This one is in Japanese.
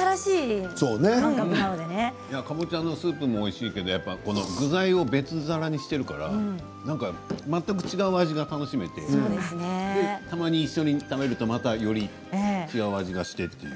かぼちゃのスープもおいしいけど具材を別皿にしているから全く違う味が楽しめてたまに一緒に食べるとまた、より違う味がしてという。